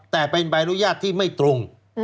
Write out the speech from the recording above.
แต่เป็นใบอนุญาตที่ไม่ตรง